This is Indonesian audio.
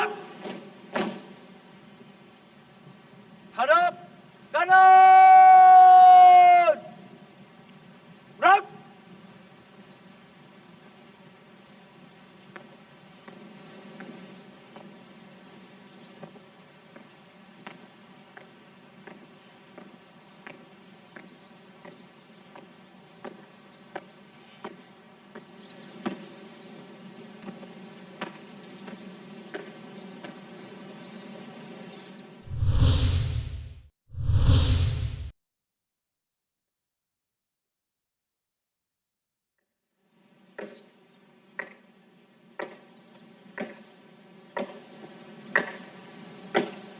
kembali ke tempat